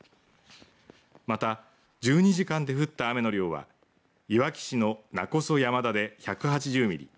また、１２時間で降った雨の量はいわき市の勿来山田で１８０ミリ